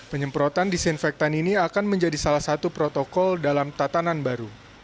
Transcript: penyemprotan disinfektan ini akan menjadi salah satu protokol dalam tatanan baru